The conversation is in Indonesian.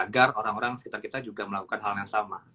agar orang orang sekitar kita juga melakukan hal yang sama